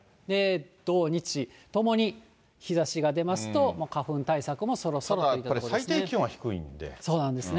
土日ともに日ざしが出ますと、花粉対策もそろそろといったところただ、これ、最低気温が低いそうなんですね。